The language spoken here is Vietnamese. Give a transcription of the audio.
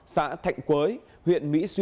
xã thạnh quới